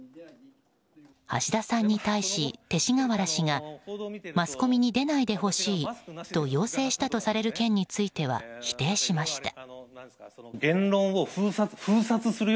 橋田さんに対し勅使河原氏がマスコミに出ないでほしいと要請したとされる件については否定しました。